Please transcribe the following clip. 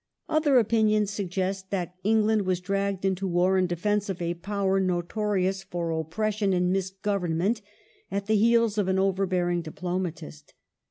Other opinions suggest that England was dragged into war in defence of a Power notorious for oppression and misgovern ment, at the heels of an overbearing diplomatist.